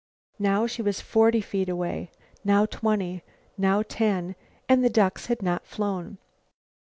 Now she was forty feet away, now twenty, now ten, and the ducks had not flown.